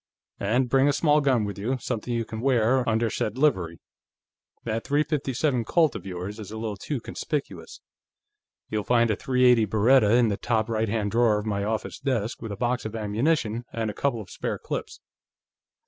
And bring a small gun with you; something you can wear under said livery. That .357 Colt of yours is a little too conspicuous. You'll find a .380 Beretta in the top right hand drawer of my office desk, with a box of ammunition and a couple of spare clips."